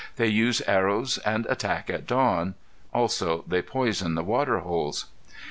They use arrows and attack at dawn. Also they poison the water holes.